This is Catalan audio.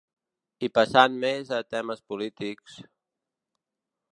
I passant més a temes polítics….